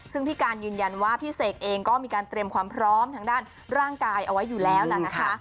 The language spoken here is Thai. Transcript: ซึ่งพี่การยืนยันว่าพี่เสกเองก็มีการเตรียมความพร้อมทางด้านร่างกายเอาไว้อยู่แล้วนะคะ